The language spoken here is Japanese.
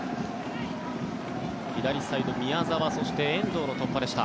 左サイド、宮澤そして遠藤の突破でした。